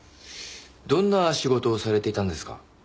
どんな仕事をされていたんですか？